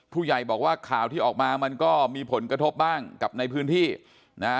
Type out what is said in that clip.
ผู้ใหญ่บอกว่าข่าวที่ออกมามันก็มีผลกระทบบ้างกับในพื้นที่นะฮะ